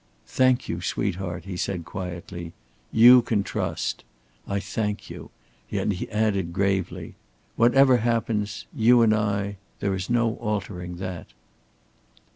"Thank you, sweetheart!" he said, quietly. "You can trust. I thank you," and he added, gravely: "Whatever happens you and I there is no altering that."